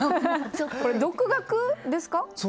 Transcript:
これ独学ですか？